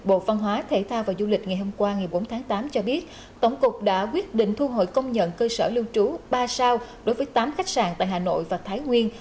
bộ văn hóa thể thao và du lịch ngày hôm qua ngày bốn tháng tám cho biết tổng cục đã quyết định thu hội công nhận cơ sở lưu trú ba sao đối với tám khách sạn tại hà nội và thái nguyên